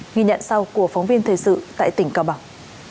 ghi nhận sau của phóng viên thời sự tại tỉnh cao bằng